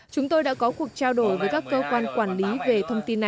chúng tôi đã có cuộc trao đổi với các cơ quan quản lý về thông tin này